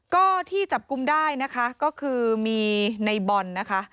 ก็ที่จับกลุ้มได้ก็คือมีในบอลนะครับ